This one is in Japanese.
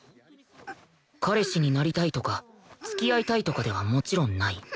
彼氏になりたいとか付き合いたいとかではもちろんない